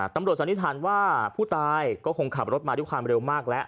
สันนิษฐานว่าผู้ตายก็คงขับรถมาด้วยความเร็วมากแล้ว